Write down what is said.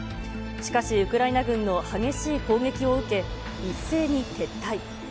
しかし、ウクライナ軍の激しい攻撃を受け、一斉に撤退。